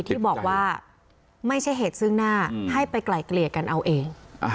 ที่บอกว่าไม่ใช่เหตุซึ่งหน้าให้ไปไกลเกลี่ยกันเอาเอง